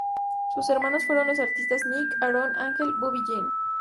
Sus hermanos fueron los artistas Nick, Aaron, Angel, Bobbie Jean.